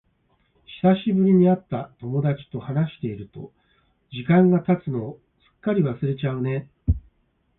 久しぶりに会った友達と話していると、時間が経つのをすっかり忘れちゃうね。